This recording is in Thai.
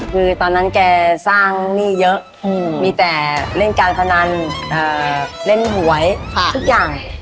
คือตอนนั้นแกสร้างหนี้เยอะมีแต่เล่นการพนันเล่นหวยทุกอย่าง